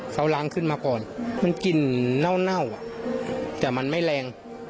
เขาล้างขึ้นมาก่อนมันกลิ่นเน่าแต่มันไม่แรง